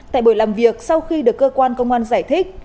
tại buổi làm việc sau khi được cơ quan công an giải thích